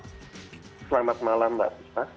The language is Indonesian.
selamat malam mbak